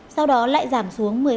sau đó lại giảm xuống